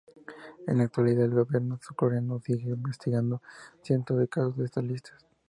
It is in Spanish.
En la actualidad, el gobierno surcoreano sigue investigando cientos de casos de esas listas.